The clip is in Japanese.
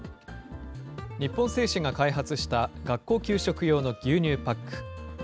日本製紙が開発した学校給食用の牛乳パック。